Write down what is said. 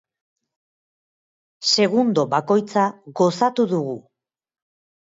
Segundo bakoitza gozatu dugu.